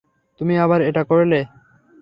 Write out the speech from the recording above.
তুমি আবার এটা করলে।